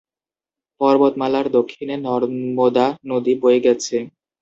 পর্বতমালার দক্ষিণে নর্মদা নদী বয়ে গেছে।